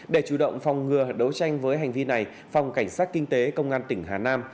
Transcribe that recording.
để chủ động phòng ngừa đấu tranh với hành vi này phòng cảnh sát kinh tế công an tỉnh hà nam